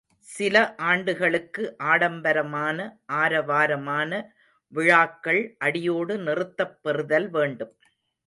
சில ஆண்டுகளுக்கு ஆடம்பரமான ஆரவாரமான விழாக்கள் அடியோடு நிறுத்தப் பெறுதல் வேண்டும்.